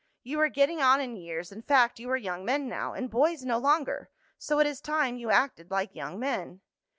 You are getting on in years, in fact you are young men now, and boys no longer, so it is time you acted like young men."